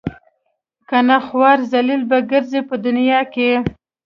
کنه خوار ذلیل به ګرځئ په دنیا کې.